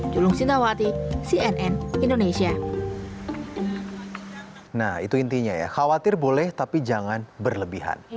julung sintawati cnn indonesia